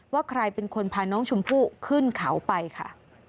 ว่าใครเป็นคนพาน้องชมพู่ขึ้นเขาไปค่ะ